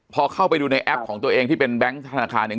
พอเข้าไปดูในแอปของตัวเองที่เป็นแบงค์ธนาคารเนี่ย